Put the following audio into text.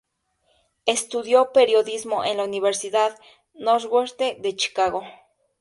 Estudió periodismo en la Universidad Northwestern de Chicago.